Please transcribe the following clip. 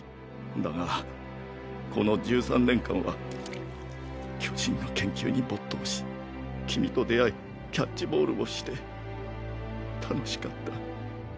だがこの１３年間は巨人の研究に没頭し君と出会いキャッチボールをして楽しかった。